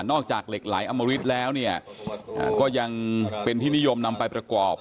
จากเหล็กไหลอมริตแล้วเนี่ยก็ยังเป็นที่นิยมนำไปประกอบ